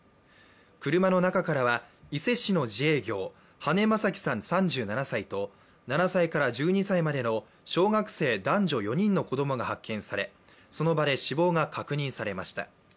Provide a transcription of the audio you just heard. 車の中からは、伊勢市の自営業羽根正樹さん３７歳と７歳から１２歳までの小学生男女４人の子供が発見されその場で死亡が確認されました。